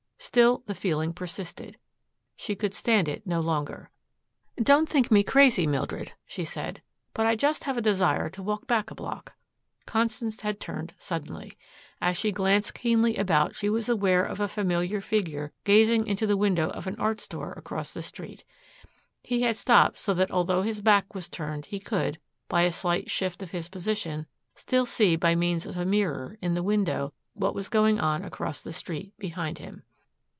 Still the feeling persisted. She could stand it no longer. "Don't think me crazy, Mildred," she said, "but I just have a desire to walk back a block." Constance had turned suddenly. As she glanced keenly about she was aware of a familiar figure gazing into the window of an art store across the street. He had stopped so that although his back was turned he could, by a slight shift of his position, still see by means of a mirror in the window what was going on across the street behind him.